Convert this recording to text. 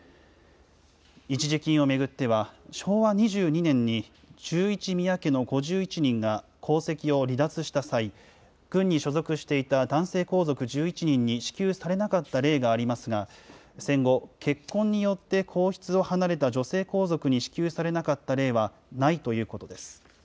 一時金を巡っては、昭和２２年に１１宮家の５１人が皇籍を離脱した際、軍に所属していた男性皇族１１人に支給されなかった例がありますが、戦後、結婚によって皇室を離れた女性皇族に支給されなかった例はないということです。